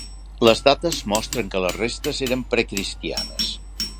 Les dates mostren que les restes eren precristianes.